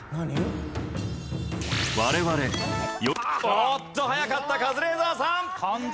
おっと早かったカズレーザーさん！